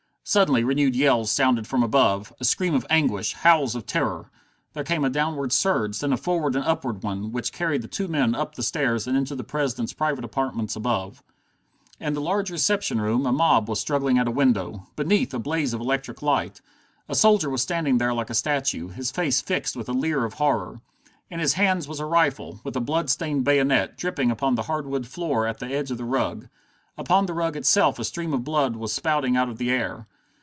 Suddenly renewed yells sounded from above, a scream of anguish, howls of terror. There came a downward surge, then a forward and upward one, which carried the two men up the stairs and into the President's private apartments above. In the large reception room a mob was struggling at a window, beneath a blaze of electric light. A soldier was standing there like a statue, his face fixed with a leer of horror. In his hands was a rifle, with a blood stained bayonet, dripping upon the hardwood floor at the edge of the rug. Upon the rug itself a stream of blood was spouting out of the air.